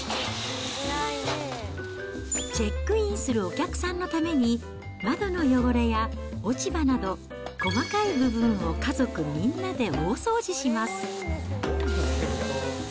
チェックインするお客さんのために、窓の汚れや落ち葉など、細かい部分を家族みんなで大掃除します。